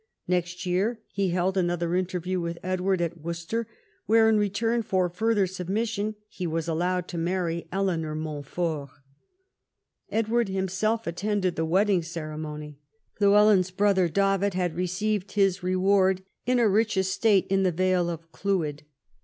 Next year he held another interview with Edward at Worcester, where, in return for further submission, he was allowed to marry Eleanor Montfort. Edward liiraself attended the wedding ceremony. Llywelyn's brother David had received his reward in a rich estate in the vale of Clwyd.